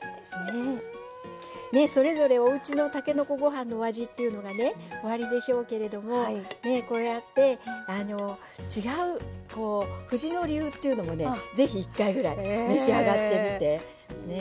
それぞれおうちのたけのこご飯のお味というのがねおありでしょうけれどもこうやって違う藤野流というのもね是非１回ぐらい召し上がってみて。